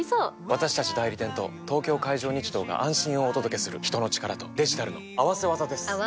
私たち代理店と東京海上日動が安心をお届けする人の力とデジタルの合わせ技です！